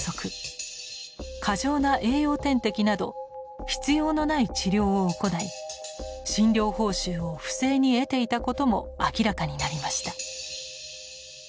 過剰な栄養点滴など必要のない治療を行い診療報酬を不正に得ていたことも明らかになりました。